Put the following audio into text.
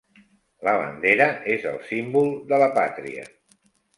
La bandera és el símbol de la pàtria.